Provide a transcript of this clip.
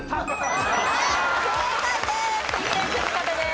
正解です。